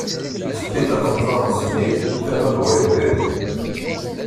Tawwi-d aqenṭar n smid, terna-d wayeḍ d irden.